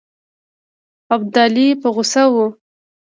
ابدالي په غوسه وو.